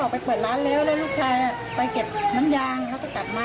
ไปเก็บมันยางแล้วก็กลับมา